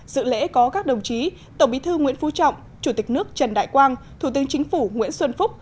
dự lễ có các đồng chí tổng bí thư nguyễn phú trọng chủ tịch nước trần đại quang thủ tướng chính phủ nguyễn xuân phúc